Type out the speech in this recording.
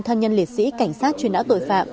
thân nhân liệt sĩ cảnh sát chuyên áo tội phạm